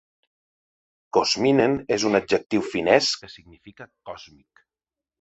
"Kosminen" és un adjectiu finès que significa "còsmic".